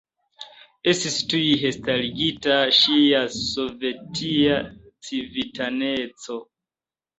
Estis tuj restarigita ŝia sovetia civitaneco.